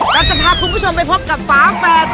เราจะพาคุณผู้ชมไปพบกับฝาแฝด